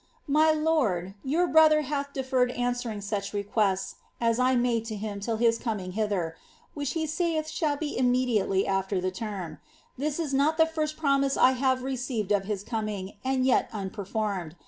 )iy lord your brother hath deferred answering sucli requests as I made to till Iiis coming hither, which he saith shall be immediately afler the term. is not tlic first promise I have received of his coming, and yet unperformed.